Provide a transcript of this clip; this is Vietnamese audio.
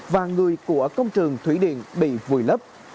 và người của công trường thủy điện bị vùi lấp